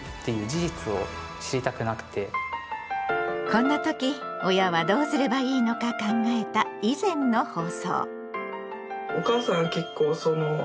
こんな時親はどうすればいいのか考えた以前の放送。